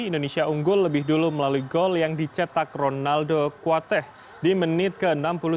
indonesia unggul lebih dulu melalui gol yang dicetak ronaldo kuateh di menit ke enam puluh satu